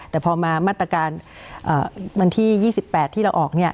แต่พอมามาตรการวันที่๒๘ที่เราออก